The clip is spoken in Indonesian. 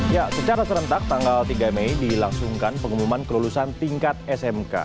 ya secara serentak tanggal tiga mei dilangsungkan pengumuman kelulusan tingkat smk